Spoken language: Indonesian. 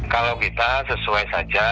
kalau kita sesuai saja